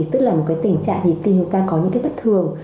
tức là một cái tình trạng nhịp tim chúng ta có những cái bất thường